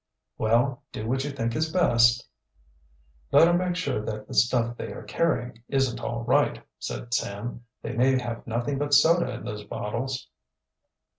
"Well, do what you think is best." "Better make sure that the stuff they are carrying isn't all right," said Sam. "They may have nothing but soda in those bottles."